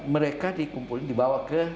mereka dikumpulkan dibawa ke